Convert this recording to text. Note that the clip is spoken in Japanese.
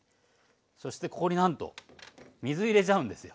そしてここになんと水入れちゃうんですよ。